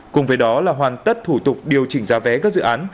cùng với đó là hoàn tất thủ tục điều chỉnh giá vé các dự án